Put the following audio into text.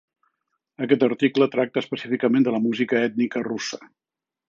Aquest article tracta específicament de la música ètnica russa.